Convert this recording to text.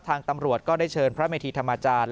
ทางตำรวจก็ได้เชิญพระเมธีธรรมจารย์